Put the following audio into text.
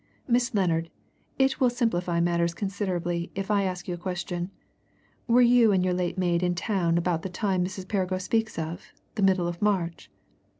"Miss Lennard, it will simplify matters considerably if I ask you a question. Were you and your late maid in town about the time Mrs. Perrigo speaks of the middle of March?"